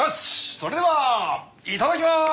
それではいただきます！